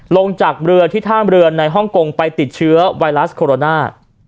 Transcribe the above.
ลงจากเรือที่ท่ามเรือในฮ่องกงไปติดเชื้อไวรัสโคโรนา